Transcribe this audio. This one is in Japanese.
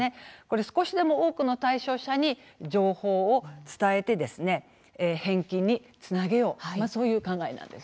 少しでも多くの対象者に情報を伝えて返金につなげようという考えなんです。